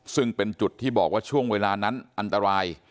ซึ่งเป็นจุดที่บอกว่าช่วงเวลานั้นอันตราย